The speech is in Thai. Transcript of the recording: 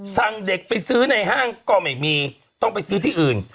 สั่งเด็กไปซื้อในห้างก็ไม่มีต้องไปซื้อที่อื่น